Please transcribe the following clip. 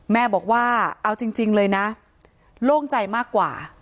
แม่บอกว่าเอาจริงเลยนะโล่งใจมากกว่า